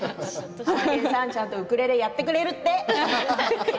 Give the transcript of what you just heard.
ハマケンさんちゃんとウクレレやってくれるって。